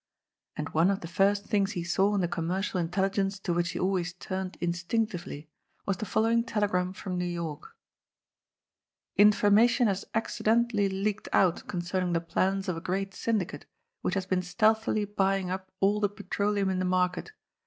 And one of the first things he saw in the Commercial Intelligence to which he always turned instinctively was the following telegram from New York : ^^Information has accidentally leaked out concerning the plans of a great syndicate which has been stealthily buying up all the petroleum in the market.